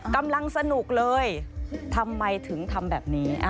กำลังสนุกเลยทำไมถึงทำแบบนี้